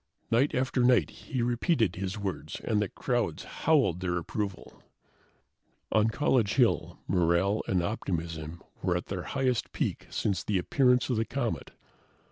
Night after night, he repeated his words, and the crowds howled their approval. On College Hill, morale and optimism were at their highest peak since the appearance of the comet.